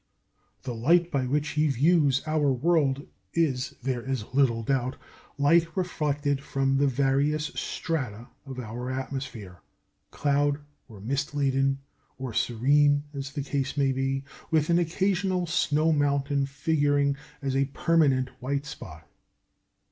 The light by which he views our world is, there is little doubt, light reflected from the various strata of our atmosphere, cloud or mist laden or serene, as the case may be, with an occasional snow mountain figuring as a permanent white spot.